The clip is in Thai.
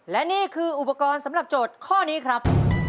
และนี่คืออุปกรณ์สำหรับโจทย์ข้อนี้ครับ